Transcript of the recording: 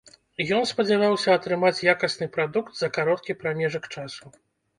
Ён спадзяваўся атрымаць якасны прадукт за кароткі прамежак часу.